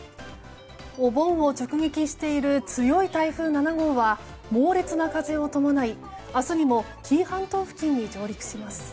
お盆を直撃している強い台風７号は猛烈な風を伴い、明日にも紀伊半島付近に上陸します。